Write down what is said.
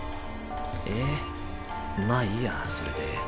えっまあいいやそれで。